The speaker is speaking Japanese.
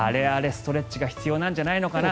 ストレッチが必要なんじゃないかな。